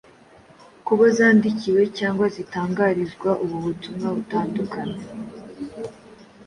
ku bo zandikiwe cyangwa zitangarizwa. Ubu butumwa butandukana